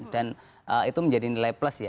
dan itu menjadi nilai plus ya